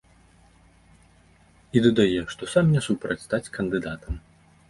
І дадае, што сам не супраць стаць кандыдатам.